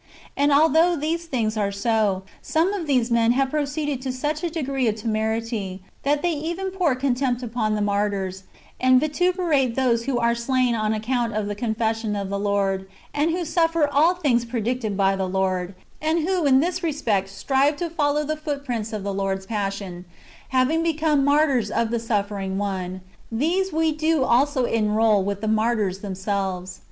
And although these things are so, some of these men have proceeded to such a degree of temerity, that they even pour contempt upon the martyrs, and vituperate those who are slain on account of the confession of the Lord, and who suffer all things predicted by the Lord, and who in this respect strive to follow the footprints of the Lord's passion, having become martyrs of the suffering One ; these we do also enrol with the martyrs themselves.